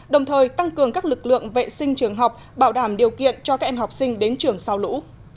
đồng thời tăng cường các lực lượng vệ sinh trường học bảo đảm điều kiện cho các em học sinh đến trường sau lũ